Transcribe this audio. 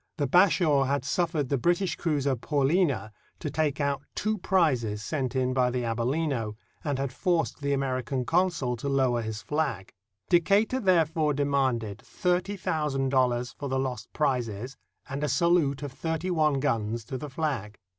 The Bashaw had suffered the British cruiser Paulina to take out two prizes sent in by the Abellino, and had forced the American consul to lower his flag. Decatur therefore demanded thirty thousand dollars for the lost prizes and a salute of thirty one guns to the flag.